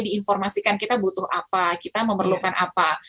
diinformasikan kita butuh apa kita memerlukan apa